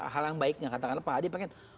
hal yang baiknya katakanlah pak hadi pengen